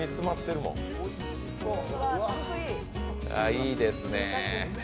いいですね。